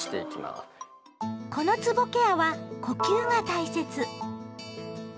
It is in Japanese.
このつぼケアは呼吸が大切。